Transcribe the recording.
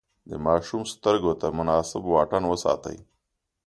د ماشوم سترګو ته مناسب واټن وساتئ.